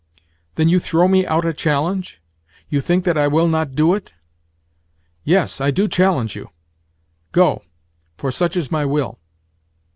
"Then you throw me out a challenge?—you think that I will not do it?" "Yes, I do challenge you. Go, for such is my will."